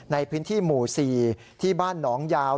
ในพื้นที่หมู่๔ที่บ้านหนองยาว